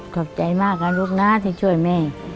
ขอบใจมากนะลูกนะที่ช่วยแม่